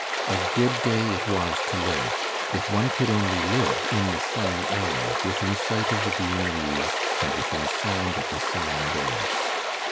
A good day it was to live if one could only live in the sunny air within sight of the green leaves and within sound of the singing birds.